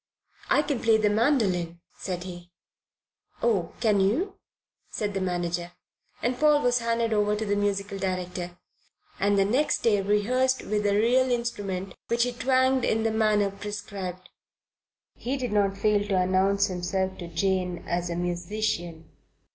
"I can play the mandoline," said he. "Oh, can you?" said the manager, and Paul was handed over to the musical director, and the next day rehearsed with a real instrument which he twanged in the manner prescribed. He did not fail to announce himself to Jane as a musician.